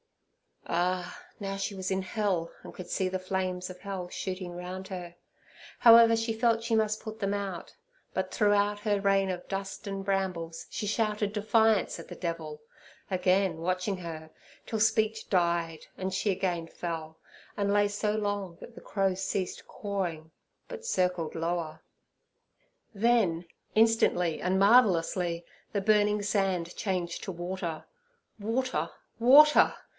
Ah! now she was in hell, and could see the flames of hell shooting round her. However, she felt she must put them out; but throughout her rain of dust and brambles, she shouted defiance at the devil, again watching her, till speech died and she again fell, and lay so long that the crows ceased cawing, but circled lower. Then instantly and marvellously the burning sand changed to water. Water, water!